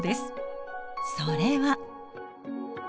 それは。